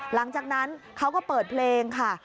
หลังจากนั้นเขาก็เปิดเพลงค่ะ